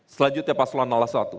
selanjutnya pak solon nalasatu